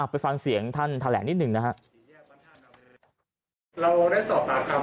ไปฟังเสียงท่านแถลงนิดหนึ่งนะครับ